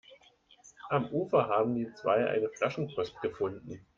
Am Ufer haben die zwei eine Flaschenpost gefunden.